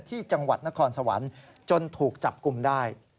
ที่จังหวัดนครสวรรค์จนถูกจับกลุ่มได้